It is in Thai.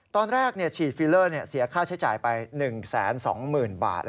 ตอนแรกฉีดฟิลเลอร์เสียค่าใช้จ่ายไป๑๒๐๐๐บาท